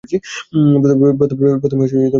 প্রথমে তুমি কাকে অগ্রাধিকার দিবে?